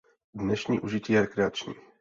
Dnešní užití je rekreační.